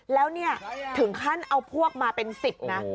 แล้วถึงขั้นเอาพวกมาเป็นสิบนะ